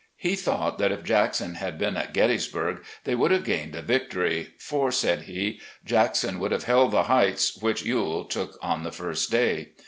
He thought that if Jackson had been at Gett3rs burg the would have gained a victory, 'for' said he, 'Jackson would have held the heights which Ewell took on the first day.